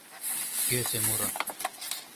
Йӧсӧ муро.